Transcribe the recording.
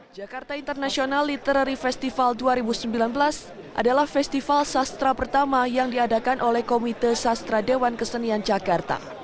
jakarta international literary festival dua ribu sembilan belas adalah festival sastra pertama yang diadakan oleh komite sastra dewan kesenian jakarta